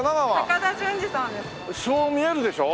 高田純次さんですか？